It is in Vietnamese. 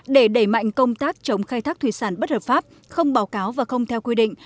để đẩy mạnh công tác chống khai thác thủy sản bất hợp pháp không báo cáo và không theo quy định